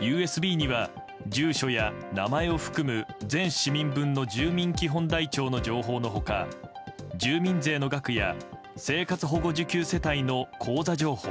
ＵＳＢには住所や名前を含む全市民分の住民基本台帳の情報の他住民税の額や生活保護受給世帯の口座情報。